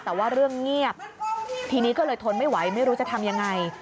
แต่ว่าเรื่องเงียบทีนี้ก็เลยทนไม่ไหวไม่รู้จะทำยังไง